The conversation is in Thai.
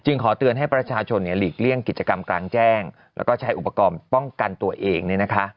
ขอเตือนให้ประชาชนหลีกเลี่ยงกิจกรรมกลางแจ้งแล้วก็ใช้อุปกรณ์ป้องกันตัวเอง